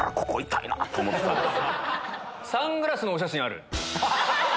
サングラスのお写真ある。